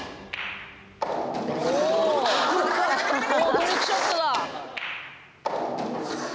トリックショットだ！